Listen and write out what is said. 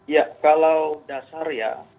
ya kalau dasar ya